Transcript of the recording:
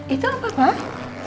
itu apa pak